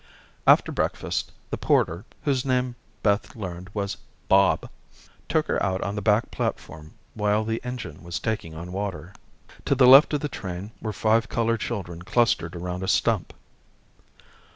After breakfast, the porter, whose name Beth learned was "Bob," took her out on the back platform while the engine was taking on water. To the left of the train were five colored children clustered around a stump.